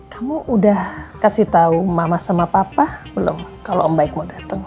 kamu udah kasih tahu mama sama papa belum kalau om baik mau datang